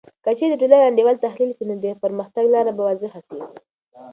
که چیرې د ټولنې انډول تحلیل سي، نو د پرمختګ لاره به واضح سي.